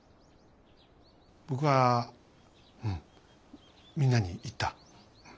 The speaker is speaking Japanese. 僕はうんみんなに言った。